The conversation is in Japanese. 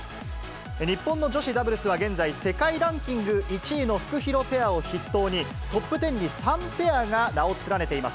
日本の女子ダブルスは現在、世界ランキング１位のフクヒロペアを筆頭に、トップ１０に３ペアが名を連ねています。